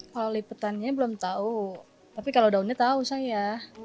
kalau liputannya belum tahu tapi kalau daunnya tahu saya